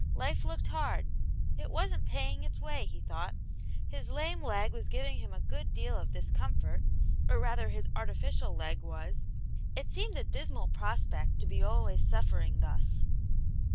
Life looked hard ; it wasn't paying its way, he thought ; his lame leg was giving him a good deal of discomfort, or rather his artificial leg was. It seemed a dismal prospect to be always suffering thus.